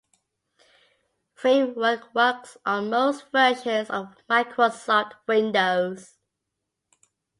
Framework works on most versions of Microsoft Windows.